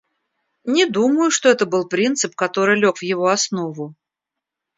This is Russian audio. Не думаю, что это был принцип, который лег в его основу.